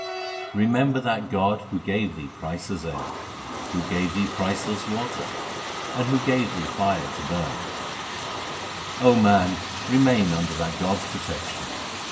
Remember that God Who gave thee priceless air, Who gave thee priceless water, And who gave thee fire to burn O man, remain under that God s protection.